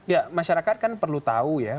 ya masyarakat kan perlu tahu ya